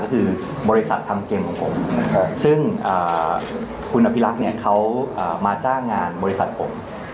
ก็คือบริษัททำเกมของผมซึ่งคุณอภิรักษ์เนี่ยเขามาจ้างงานบริษัทผม